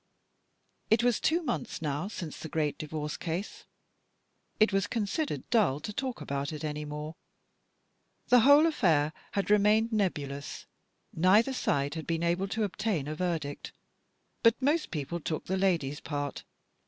It was two months now since the great divorce case ; it was considered dull to talk about it any more. The whole affair had remained nebulous. Neither side had been able to ob tain a verdict, but most people took the lady's side.